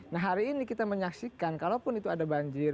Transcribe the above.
nah hari ini kita menyaksikan kalaupun itu ada banjir